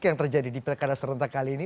yang terjadi di pilkada serentakali ini